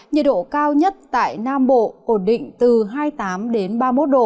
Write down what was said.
nhiệt độ cao nhất tại nam bộ ổn định từ hai mươi tám ba mươi một độ